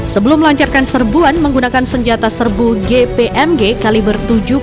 sebelum melancarkan serbuan menggunakan senjata serbu gpmg kaliber tujuh puluh dua